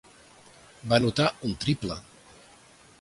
Va anotar un triple.